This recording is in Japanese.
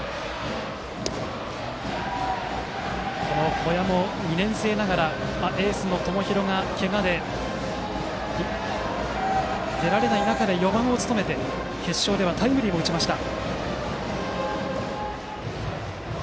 小矢も２年生ながらエースの友廣がけがで出られない中で４番を務めて決勝ではタイムリーも打ちました。